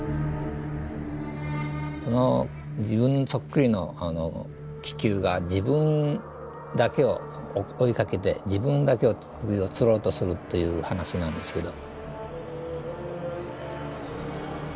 その自分そっくりの気球が自分だけを追いかけて自分だけを首を吊ろうとするという話なんですけど。